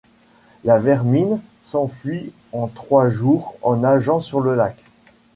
La vermine s'enfuit en trois jours en nageant sur le lac.